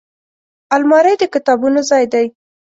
الماري د کتابونو ځای دی